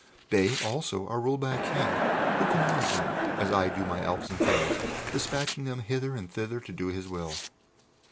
They, also, are ruled by a King, who commands them as I do my Elves and Fays, despatching them hither and thither to do his will.